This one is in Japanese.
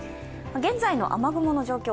現在の雨雲の状況